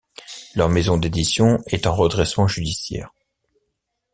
Leur maison d'édition est en redressement judiciaire.